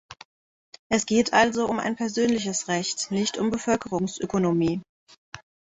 Es geht also um ein persönliches Recht, nicht um Bevölkerungsökonomie.